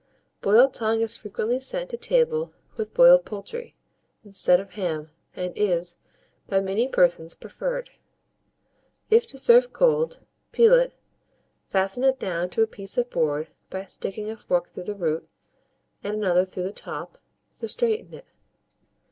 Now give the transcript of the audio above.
Boiled tongue is frequently sent to table with boiled poultry, instead of ham, and is, by many persons, preferred. If to serve cold, peel it, fasten it down to a piece of board by sticking a fork through the root, and another through the top, to straighten it.